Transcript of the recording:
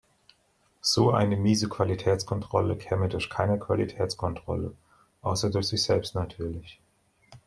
So eine miese Qualitätskontrolle käme durch keine Qualitätskontrolle, außer durch sich selbst natürlich.